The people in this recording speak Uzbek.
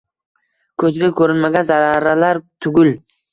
Ko’zga ko’rinmagan zarralar tugul